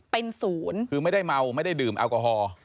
เป็นศูนย์คือไม่ได้เมาไม่ได้ดื่มแอลกอฮอล์